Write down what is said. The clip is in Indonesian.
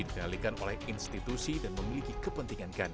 dikendalikan oleh institusi dan memiliki kepentingan ganda